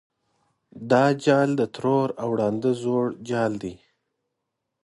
دا جال د ترور او ړانده زوړ جال دی.